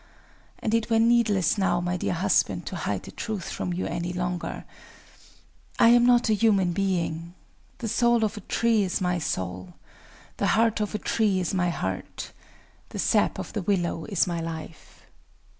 And it were needless now, my dear husband, to hide the truth from you any longer:—I am not a human being. The soul of a tree is my soul;—the heart of a tree is my heart;—the sap of the willow is my life.